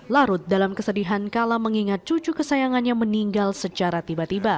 larut dalam kesedihan kala mengingat cucu kesayangannya meninggal secara tiba tiba